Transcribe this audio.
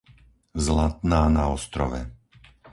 Zlatná na Ostrove